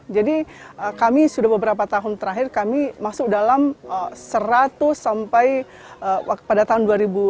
jadi kami sudah beberapa tahun terakhir kami masuk dalam seratus sampai pada tahun dua ribu tujuh belas